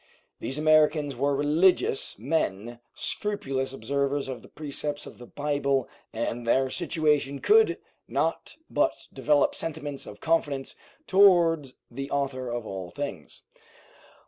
These Americans were religious men, scrupulous observers of the precepts of the Bible, and their situation could not but develop sentiments of confidence towards the Author of all things.